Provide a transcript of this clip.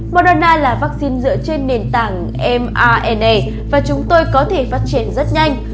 moderna là vaccine dựa trên nền tảng mrna và chúng tôi có thể phát triển rất nhanh